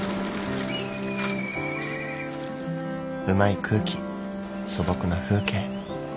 うまい空気素朴な風景。